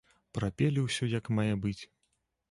Прапелі ўсё як мае быць.